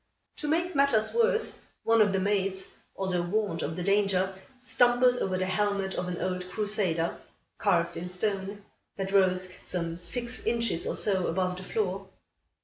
To make matters worse, one of the maids, although warned of the danger, stumbled over the helmet of an old crusader, carved in stone, that rose some six inches or so above the floor.